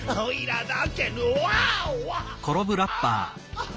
あっ！